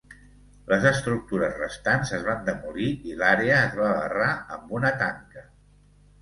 Les estructures restants es van demolir i l'àrea es va barrar amb una tanca.